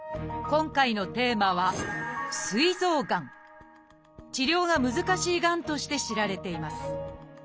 今回のテーマは治療が難しいがんとして知られています